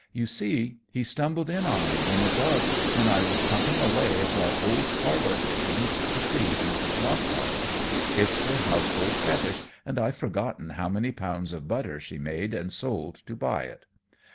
You see, he stumbled in on me in the dark when I was pumping away at that old parlor organ to please Mrs. Lockhart. It's her household fetish and I've forgotten how many pounds of butter she made and sold to buy it.